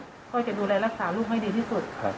คำมือพันธ์นะครับ